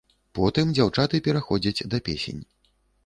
Потым дзяўчаты пераходзяць да песень.